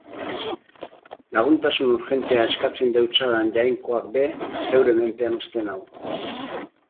Laguntasun urgentea eskatzen deutsadan Jainkoak be zeure menpean uzten nau.